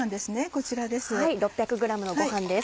こちらです。